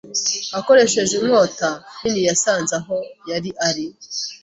akoresheje inkota nini yasanze aho yari ari